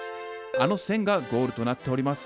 あの線がゴールとなっております。